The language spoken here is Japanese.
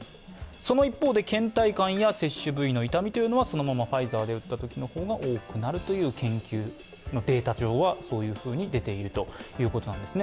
その一方でけん怠感や接種の部位の痛みはそのままファイザーで打った方が痛みが多くなるという研究、データ上は出ているということです。